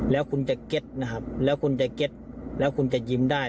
แล้วคุณจะเก็ตนะครับแล้วคุณจะเก็ตแล้วคุณจะยิ้มได้